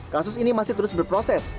kasus ini masih terus berproses